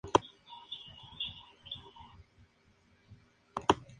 Siendo el único argentino en ese inicio de temporada.